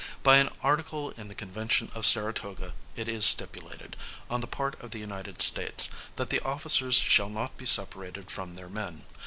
By an article in the Convention of Saratoga, it is stipulated, on the part of the United States, that the officers shall not be separated from their men.